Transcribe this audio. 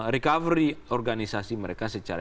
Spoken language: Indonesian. recovery organisasi mereka secara